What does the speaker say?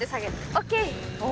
ＯＫ！